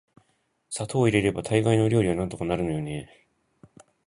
砂糖を入れれば大概の料理はなんとかなるのよね～